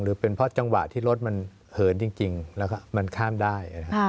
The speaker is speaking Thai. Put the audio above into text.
หรือเป็นเพราะจังหวะที่รถมันเหินจริงแล้วก็มันข้ามได้